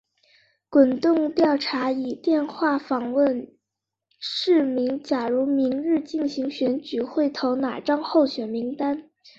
滚动调查以电话访问市民假如明日进行选举会投哪张候选名单。